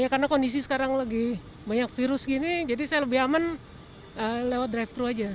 karena kondisi sekarang lagi banyak virus gini jadi saya lebih aman lewat drive thru saja